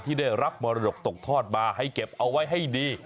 ที่ได้รับมรดกตกทอดมาให้เก็บเอาไว้ให้ดี